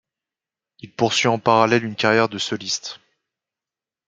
Il poursuit en parallèle une carrière de soliste.